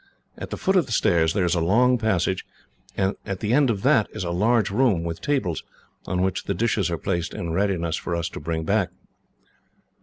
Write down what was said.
At the foot of the stairs there is a long passage, and at the end of that is a large room, with tables, on which the dishes are placed in readiness for us to bring back."